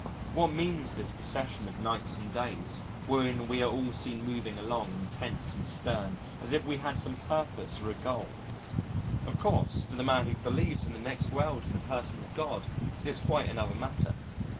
What means this procession of nights and days wherein we are all seen moving along intent and stern as if we had some purpose or a goal?... Of course to the man who believes in the next world and a personal God, it is quite another matter.